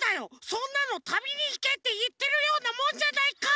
そんなの「旅にいけ」っていってるようなもんじゃないか！